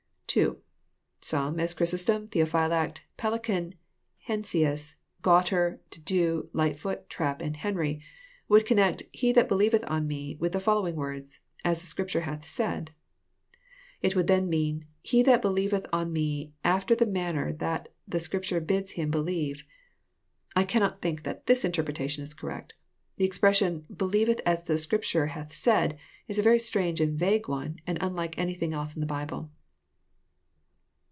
(2) Some, as Chrysostom, Theophylact, Pellicao, Heinsinsy Gnalter, De Diea, Lightfoot, Trapp, and Henry, would connect " He that believeth on me with the following words, —" As the Scripture hath said." It would then mean, «* He that believeth on me after the manner that the Scripture bids him believe." I cannot think that this interpretation is correct. The expres sion, " Believeth as the Scripture hath said," is a very strange and vague one, and unlike anything else in the Bible.